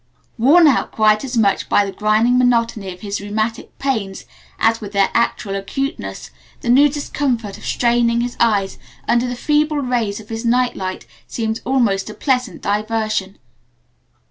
Worn out quite as much with the grinding monotony of his rheumatic pains as with their actual acuteness, the new discomfort of straining his eyes under the feeble rays of his night light seemed almost a pleasant diversion.